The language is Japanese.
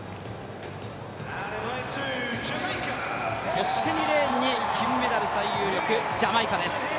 そして２レーンに金メダル最有力、ジャマイカです。